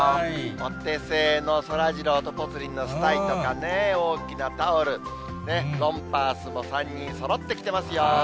お手製のそらジローとぽつリンのスタイとかね、大きなタオル、ロンパースも３人そろって着てますよ。